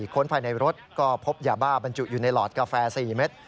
ค้นภายในรถก็พบยาบ้าบรรจุอยู่ในหลอดกาแฟ๔เม็ด